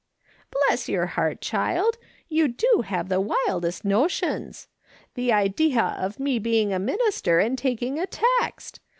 " Bless your heart, child, you do have the wildest notions ! The idea of me being a minister and takin" a text